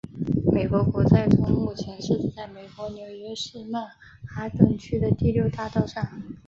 美国国债钟目前设置在美国纽约市曼哈顿区的第六大道上。